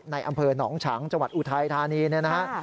ในอำเภอนองค์ฉังจังหวัดอุทัยธานีนะครับ